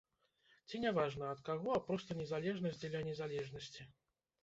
Ці не важна ад каго, а проста незалежнасць дзеля незалежнасці?